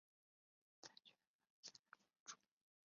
再娶阿剌罕公主。